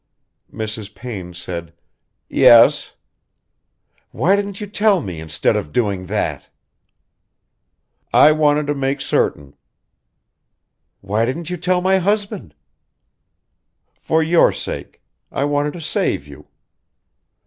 Mrs. Payne said: "Yes " "Why didn't you tell me instead of doing that?" "I wanted to make certain." "Why didn't you tell my husband?" "For your sake. I wanted to save you."